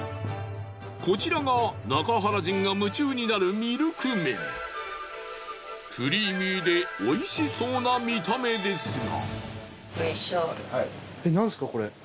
こちらが中原人が夢中になるクリーミーでおいしそうな見た目ですが。